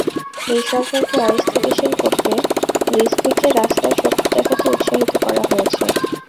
এই সরকারকে অস্থিতিশীল করতে রিজভিকে রাস্তায় শক্তি দেখাতে উৎসাহিত করা হয়েছে।